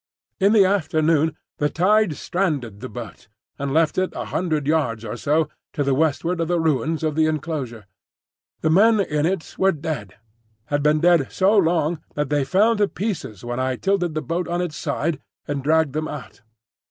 In the afternoon the tide stranded the boat, and left it a hundred yards or so to the westward of the ruins of the enclosure. The men in it were dead, had been dead so long that they fell to pieces when I tilted the boat on its side and dragged them out.